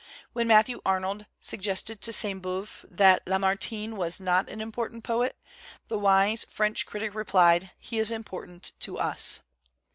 When Matthew Arnold suggested to Sainte Beuve that La martine was not an important poet, the wise French critic replied, "He is important to us."